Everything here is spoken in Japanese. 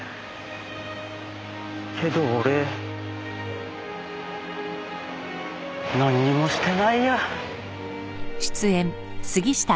けど俺なんにもしてないや。